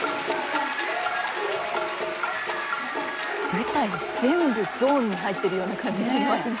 舞台全部ゾーンに入ってるような感じしますね。